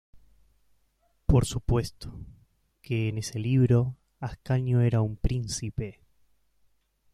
Por supuesto, que en ese libro, Ascanio era un príncipe".